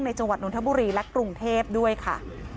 จังหวัดนทบุรีและกรุงเทพด้วยค่ะ